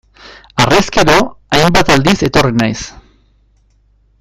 Harrezkero, hainbat aldiz etorri naiz.